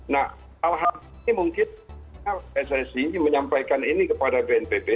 nah alhamdulillah mungkin sac menyampaikan ini kepada bnpb